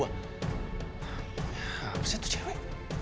namanya apa sih itu cewek